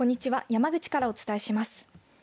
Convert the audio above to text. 山口からお伝えします。